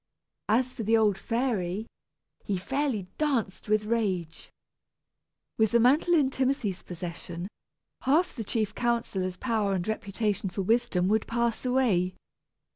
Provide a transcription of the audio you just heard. As for the old fairy, he fairly danced with rage. With the mantle in Timothy's possession, half the chief counsellor's power and reputation for wisdom would pass away.